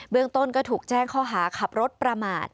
เรื่องต้นก็ถูกแจ้งข้อหาขับรถประมาท